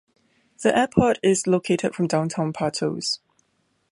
The airport is located from downtown Patos.